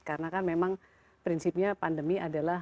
karena kan memang prinsipnya pandemi adalah